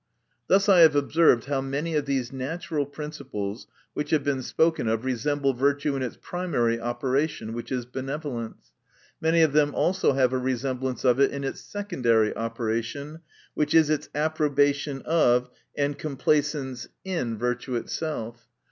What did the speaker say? Thus I have observed how many of these natural principles, which have been spoken of, resemble virtue in its primary operation, which is benevolence. Many of them also have a resemblance of it in its secondary operation, which is its approbation of and complacence in virtue itself.